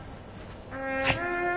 はい。